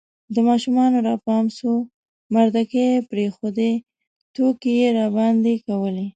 د ماشومانو را پام سو مردکې یې پرېښودې، ټوکې یې راباندې کولې